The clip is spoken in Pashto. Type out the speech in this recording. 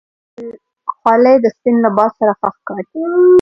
خولۍ د سپین لباس سره ښه ښکاري.